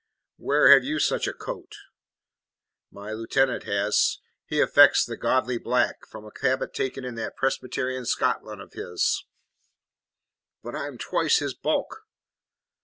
"Where have you such a coat?" "My lieutenant has. He affects the godly black, from a habit taken in that Presbyterian Scotland of his." "But I am twice his bulk!"